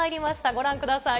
ご覧ください。